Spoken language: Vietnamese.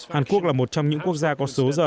hàn quốc là một trong những quốc gia có số giờ